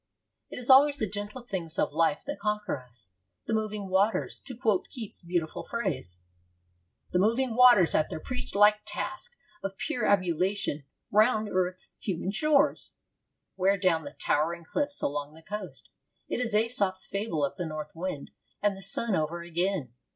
It is always the gentle things of life that conquer us. 'The moving waters' to quote Keats' beautiful phrase The moving waters at their priest like task Of pure ablution round earth's human shores' wear down the towering cliffs along the coast. It is Aesop's fable of the North Wind and the sun over again.